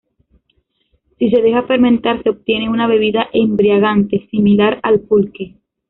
Si se deja fermentar se obtiene una bebida embriagante similar al pulque.